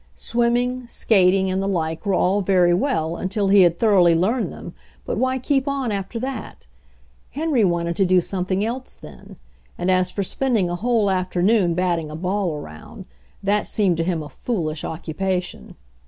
Swimming, skat 12 HENRY FORD'S OWN STORY ing and the like were all very well until he had thoroughly learned them, but why keep on after that? Henry wanted to do something else then. And as for spending a whole afternoon batting a ball around, that seemed to him a foolish occu pation.